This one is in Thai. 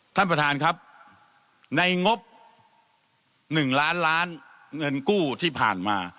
ท่านประธานครับในงบ๑ล้านล้านเงินกู้ที่ผ่านมา